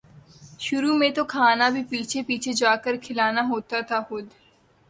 شروع میں تو کھانا بھی پیچھے پیچھے جا کر کھلانا ہوتا تھا خود